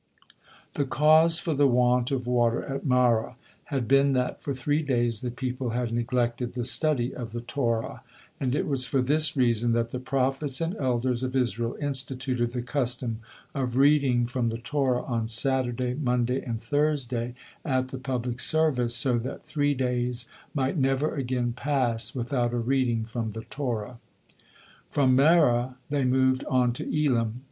The cause for the want of water at Marah had been that for three days the people had neglected the study of the Torah, and it was for this reason that the prophets and elders of Israel instituted the custom of reading from the Torah on Saturday, Monday and Thursday, at the public service, so that three days might never again pass without a reading from the Torah. From Marah they moved on to Elim.